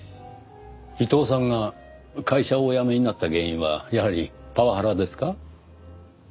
伊藤さんが会社をお辞めになった原因はやはりパワハラですか？